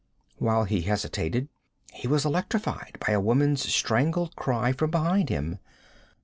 While he hesitated, he was electrified by a woman's strangled cry from behind him.